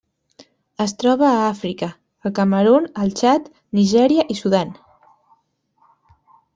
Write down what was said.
Es troba a Àfrica: el Camerun, el Txad, Nigèria i Sudan.